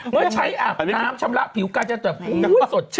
เมื่อใช้อาบน้ำชำระผิวกล้าจะแบบโอ้โฮสดชิ้นมั่นใจ